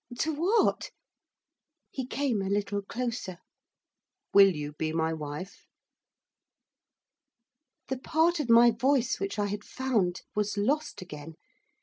to what?' He came a little closer. 'Will you be my wife?' The part of my voice which I had found, was lost again.